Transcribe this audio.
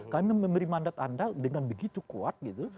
kami memberi mandat anda dengan begitu kuat gitu